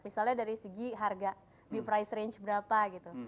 misalnya dari segi harga di price range berapa gitu